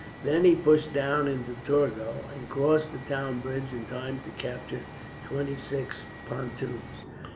Then he pushed down into Torgau, and crossed the town bridge in time to capture twenty six pontoons.